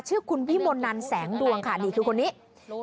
ชื่อคุณพี่มนต์นันแสงดวงค่ะนี่คือคนนี้